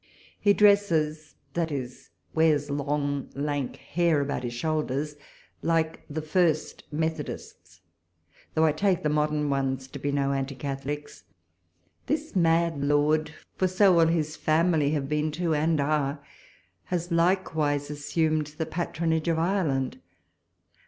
He dresses, that is, wears long lank hair about his shoulders, like the first Methodists ; though I take the modern ones to be no Anti Catholics. This mad lord, for so all his family have been too, and are, has likewise assumed the patron age of Ireland.